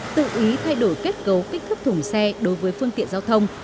tự ý thay đổi kết cấu kích thước thùng xe đối với phương tiện giao thông